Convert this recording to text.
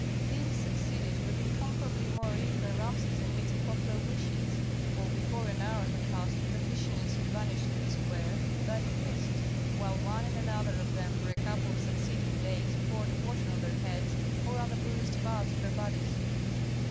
These succeeded with incomparably more ease than Rameses in meeting popular wishes, for before an hour had passed the petitioners had vanished from the square, like mist, while one and another of them for a couple of succeeding days poured water on their heads, or other bruised parts of their bodies.